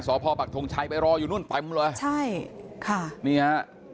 สอพอร์ปักทงชัยไปรออยู่นู่นใช่ค่ะนี่ฮะ